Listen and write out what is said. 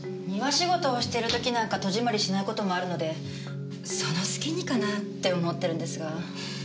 庭仕事をしてる時なんか戸締まりしない事もあるのでその隙にかなって思ってるんですが。